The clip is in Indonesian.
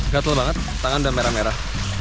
gatel banget tangan dan merah merah